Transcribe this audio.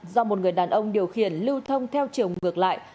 do một người đàn ông điều khiển lưu thông theo chiều ngược lại